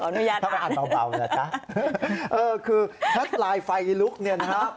ขออนุญาตอ่านนะครับค่ะคือชัดลายไฟลุกเนี่ยนะครับ